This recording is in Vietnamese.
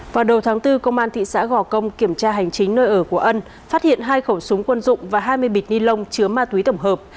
vào đầu tháng bốn công an thị xã gò công kiểm tra hành chính nơi ở của ân phát hiện hai khẩu súng quân dụng và hai mươi bịch ni lông chứa ma túy tổng hợp